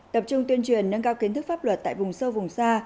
tập trung tuyên truyền nâng cao kiến thức pháp luật tại vùng sâu vùng xa